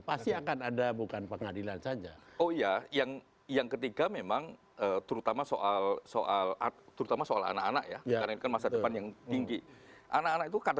pasti akan ada bukan pengadilan saja